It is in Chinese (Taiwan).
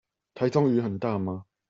臺中雨很大嗎？